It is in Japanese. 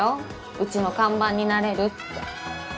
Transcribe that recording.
うちの看板になれるって。